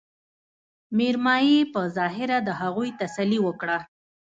مېرمايي په ظاهره د هغوي تسلې وکړه